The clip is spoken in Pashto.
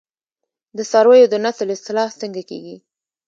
د څارویو د نسل اصلاح څنګه کیږي؟